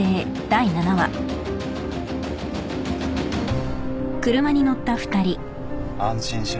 安心しろ。